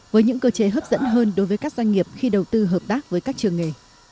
với những cơ chế hấp dẫn hơn đối với các doanh nghiệp khi đầu tư hợp tác với các trường nghề